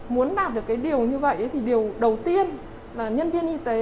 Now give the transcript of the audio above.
muốn đạt được cái điều như vậy thì điều đầu tiên là nhân viên y tế